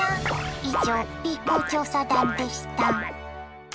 以上Ｂ公調査団でした。